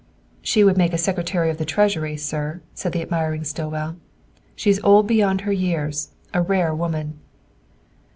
"She would make a Secretary of the Treasury, sir," said the admiring Stillwell. "She is old beyond her years a rare woman!"